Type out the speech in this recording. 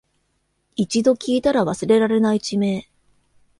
一度聞いたら忘れられない地名